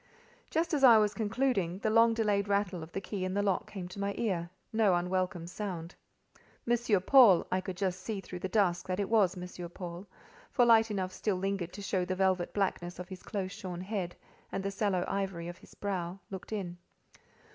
Just as I was concluding, the long delayed rattle of the key in the lock came to my ear—no unwelcome sound. M. Paul (I could just see through the dusk that it was M. Paul, for light enough still lingered to show the velvet blackness of his close shorn head, and the sallow ivory of his brow) looked in.